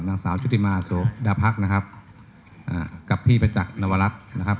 นางสาวชุธิมาร์สุดาพรรคนะครับกับพี่ประจักรนวรัฐนะครับ